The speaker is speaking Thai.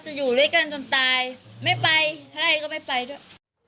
อยู่ด้วยกันจนตายไม่ไปถ้าใครก็ไม่ไปด้วย